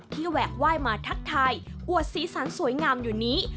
แหวะไหว้มาทักทายอวดสีสันสวยงามอยู่นี้